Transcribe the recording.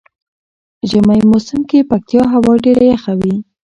ژمی موسم کې پکتيا هوا ډیره یخه وی.